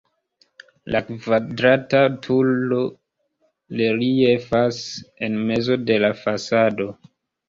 La kvadrata turo reliefas en mezo de la fasado.